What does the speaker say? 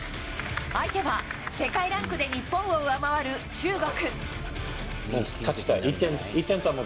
相手は世界ランクで日本を上回る中国。